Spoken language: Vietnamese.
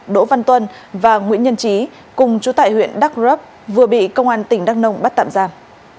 đỗ văn tuân và nguyễn nhân trí cùng chú tại huyện đắk rấp vừa bị công an tỉnh đắk nông bắt tạm giam